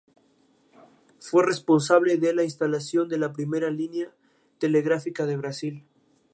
Sin embargo, generalmente las mujeres son libres para asistir a eventos deportivos.